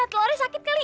telurnya sakit kali